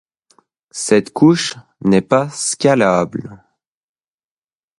Cette couche n'est pas scalable.